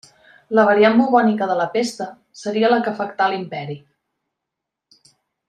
La variant bubònica de la pesta seria la que afectà l'imperi.